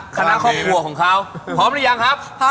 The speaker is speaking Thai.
คณะครอบครัวของเขาพร้อมหรือยังครับ